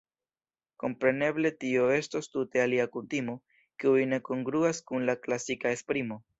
Kompreneble tio estos tute alia kutimo, kiuj ne kongruas kun la klasika esprimo.